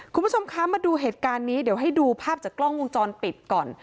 คุณผู้ชมคะมาดูเหตุการณ์นี้เดี๋ยวให้ดูภาพจากกล้องวงจรปิดก่อน